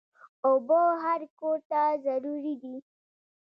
اوبه هر کور ته ضروري دي.